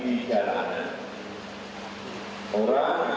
dan sebaliknya juga kmat